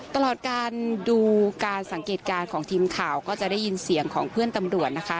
ตลอดการดูการสังเกตการณ์ของทีมข่าวก็จะได้ยินเสียงของเพื่อนตำรวจนะคะ